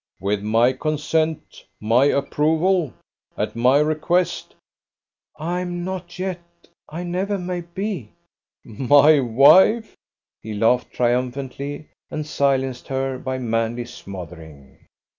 "With my consent, my approval? at my request?" "I am not yet ... I never may be ..." "My wife?" He laughed triumphantly, and silenced her by manly smothering.